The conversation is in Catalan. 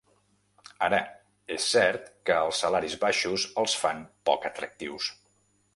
Ara, és cert que els salaris baixos els fan poc atractius.